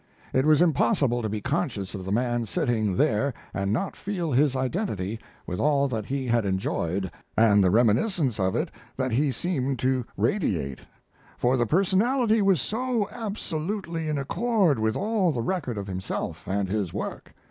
It was impossible to be conscious of the man sitting there, and not feel his identity with all that he had enjoyed, and the reminiscence of it he that seemed to radiate; for the personality was so absolutely in accord with all the record of himself and his work.